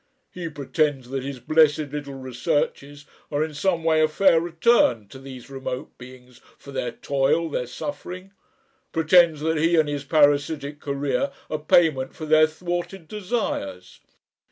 He pretends that his blessed little researches are in some way a fair return to these remote beings for their toil, their suffering; pretends that he and his parasitic career are payment for their thwarted desires.